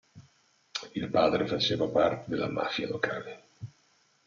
Il padre faceva parte della mafia locale.